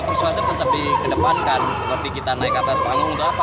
persuasif tetap dikedepankan tapi kita naik ke atas panggung untuk apa